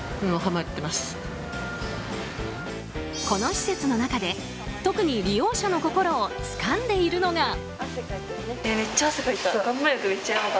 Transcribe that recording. この施設の中で、特に利用者の心をつかんでいるのが。